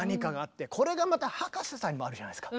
これがまた葉加瀬さんにもあるじゃないですか。